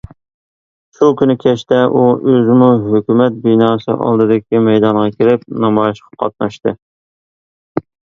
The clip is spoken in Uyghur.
شۇ كۈنى كەچتە ئۇ ئۆزىمۇ ھۆكۈمەت بىناسى ئالدىدىكى مەيدانغا كېلىپ نامايىشقا قاتناشتى.